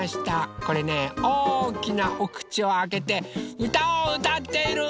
これねおおきなおくちをあけてうたをうたっているうーたんです。